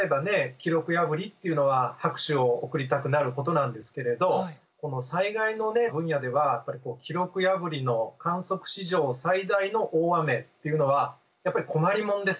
記録破りっていうのは拍手を送りたくなることなんですけれどこの災害の分野ではやっぱり記録破りの観測史上最大の大雨っていうのはやっぱり困りもんですよね。